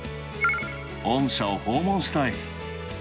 御社を訪問したい。